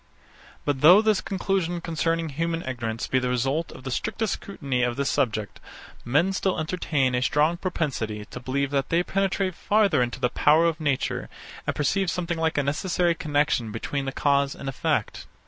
But though this conclusion concerning human ignorance be the result of the strictest scrutiny of this subject, men still entertain a strong propensity to believe that they penetrate farther into the powers of nature, and perceive something like a necessary connexion between the cause and the effect.